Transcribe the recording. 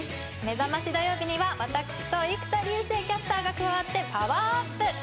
『めざましどようび』には私と生田竜聖キャスターが加わってパワーアップ！